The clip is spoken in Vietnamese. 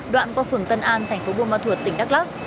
đoạn qua phường tân an thành phố bùa ma thuột tỉnh đắk lắk